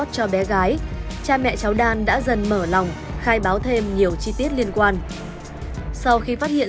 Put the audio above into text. cho bé gái cha mẹ cháu đan đã dần mở lòng khai báo thêm nhiều chi tiết liên quan sau khi phát hiện